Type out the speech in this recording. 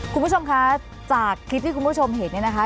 คุณผู้ชมคะจากคลิปที่คุณผู้ชมเห็นเนี่ยนะคะ